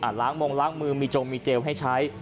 อ่านล้างมองล้างมือมีโจมตร์มีเจลให้ใช้